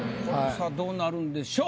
さあどうなるんでしょう？